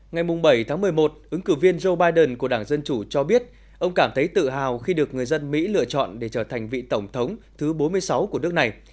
ngày bảy tháng một mươi một ứng cử viên joe biden của đảng dân chủ cho biết ông cảm thấy tự hào khi được người dân mỹ lựa chọn để trở thành vị tổng thống thứ bốn mươi sáu của nước này